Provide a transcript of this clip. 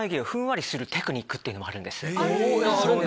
あるんだ！